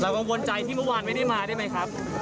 กังวลใจที่เมื่อวานไม่ได้มาได้ไหมครับ